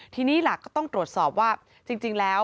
ทีนี้หลักก็ต้องตรวจสอบว่าจริงแล้ว